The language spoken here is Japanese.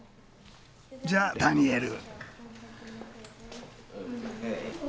じゃあダニエル。